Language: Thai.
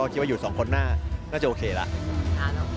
คิดว่าอยู่สองคนน่าจะโอเคแล้ว